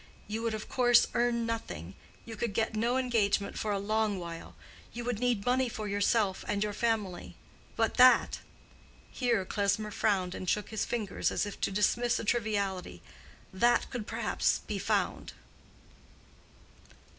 You would of course earn nothing—you could get no engagement for a long while. You would need money for yourself and your family. But that," here Klesmer frowned and shook his fingers as if to dismiss a triviality, "that could perhaps be found."